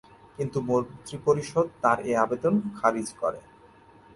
কিন্তু মন্ত্রিপরিষদ তার এ আবেদন খারিজ করে।